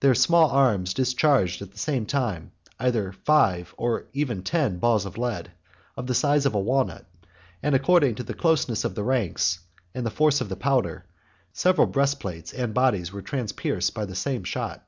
Their small arms discharged at the same time either five, or even ten, balls of lead, of the size of a walnut; and, according to the closeness of the ranks and the force of the powder, several breastplates and bodies were transpierced by the same shot.